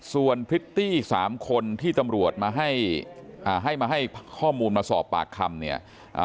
ส่วนพริตตี้สามคนที่ตำรวจมาให้มาให้ข้อมูลมาสอบปากคำเนี่ย